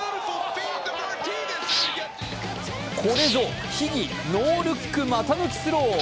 これぞ秘技、ノールック股抜きスロー。